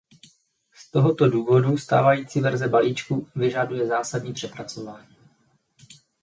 Z tohoto důvodu stávající verze balíčku vyžaduje zásadní přepracování.